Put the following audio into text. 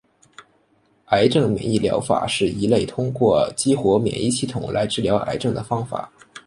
癌症免疫疗法是一类通过激活免疫系统来治疗癌症的方法。